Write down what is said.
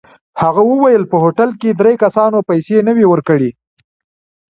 هغه وویل په هوټل کې درې کسانو پیسې نه وې ورکړې.